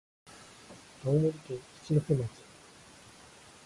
青森県七戸町